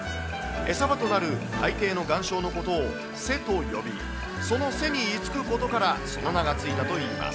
餌場となる海底の岩礁のことを瀬と呼び、その瀬に居つくことから、その名が付いたといいます。